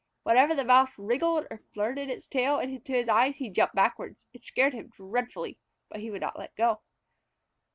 Whenever the Mouse wriggled or flirted its tail into his eyes he jumped backward. It scared him dreadfully, but he would not let go.